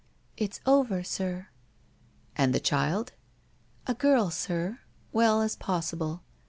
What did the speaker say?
' It's over, sir/ 'And the child?' 1 A girl, sir. Well as possible.